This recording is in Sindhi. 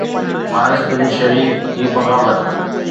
حارث بن شريح جي بغاوت